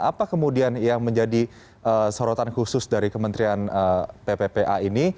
apa kemudian yang menjadi sorotan khusus dari kementerian pppa ini